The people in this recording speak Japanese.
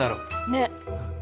ねっ。